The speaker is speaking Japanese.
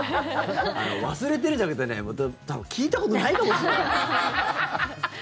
忘れてるじゃなくて、多分聞いたことないかもしれない。